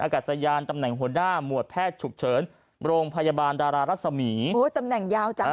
โอ้วตำแหน่งยาวจัง